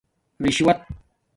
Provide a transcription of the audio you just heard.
رشوت